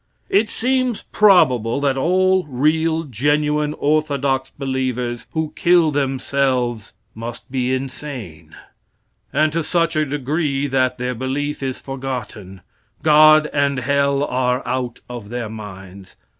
It seems probable that all real, genuine orthodox believers who kill themselves must be insane, and to such a degree that their belief is forgotten, "God" and hell are out of their minds.